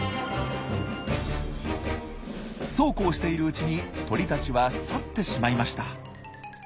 そうこうしているうちに鳥たちは去ってしまいました。